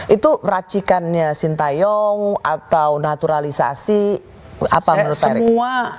itu racikannya sintayong atau naturalisasi apa menurut semua